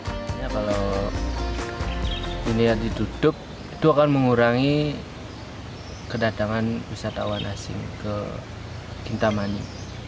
sebenarnya kalau ini yang ditutup itu akan mengurangi kedatangan wisatawan asing ke kintamani